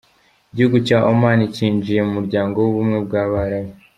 Igihugu cya Oman cyinjiye mu muryango w’ubumwe bw’abarabu.